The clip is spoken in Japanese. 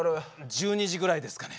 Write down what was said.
１２時ぐらいですかね。